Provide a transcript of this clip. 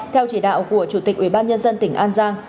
theo chỉ đạo của chủ tịch ubnd tỉnh an giang